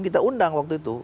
kita undang waktu itu